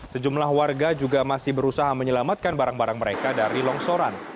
sejumlah warga juga masih berusaha menyelamatkan barang barang mereka dari longsoran